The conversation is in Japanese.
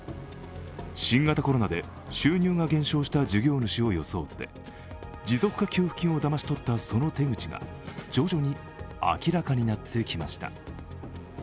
新型コロナで収入が減少した事業主を装って持続化給付金をだまし取ったその手口が徐々に明らかになってきました。